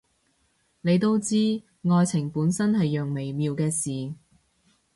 你都知，愛情本身係樣微妙嘅事